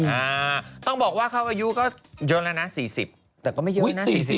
อ่าต้องบอกว่าเขาอายุก็เยอะแล้วนะสี่สิบแต่ก็ไม่เยอะนะสี่สิบ